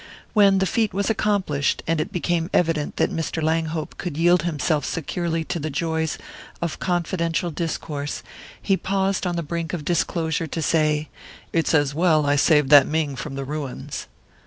When the feat was accomplished, and it became evident that Mr. Langhope could yield himself securely to the joys of confidential discourse, he paused on the brink of disclosure to say: "It's as well I saved that Ming from the ruins."